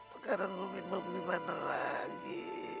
sekarang umi mau gimana lagi